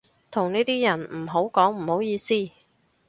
同呢啲人唔好講唔好意思